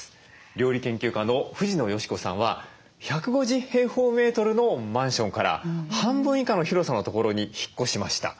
料理研究家の藤野嘉子さんは１５０のマンションから半分以下の広さの所に引っ越しました。